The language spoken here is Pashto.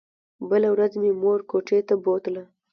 بله ورځ مې مور کوټې ته بوتله.